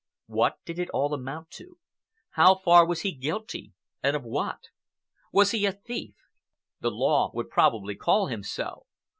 What did it all amount to? How far was he guilty, and of what? Was he a thief? The law would probably call him so.